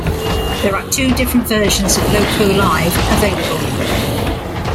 There are two different versions of "Loco Live" available.